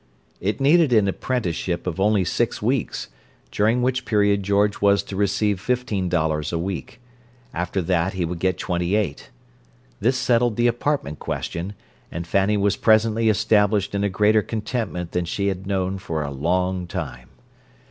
It needed an apprenticeship of only six weeks, during which period George was to receive fifteen dollars a week; after that he would get twenty eight. This settled the apartment question, and Fanny was presently established in a greater contentment than she had known for a long time.